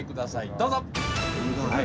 どうぞ！